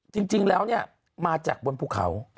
จริงแล้วเนี่ยมาจากบนภูเขา